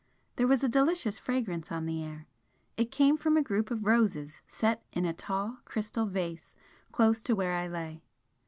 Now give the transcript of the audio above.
There was a delicious fragrance on the air it came from a group of roses set in a tall crystal vase close to where I lay.